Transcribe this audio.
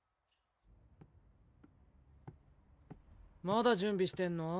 まだ準備してんの？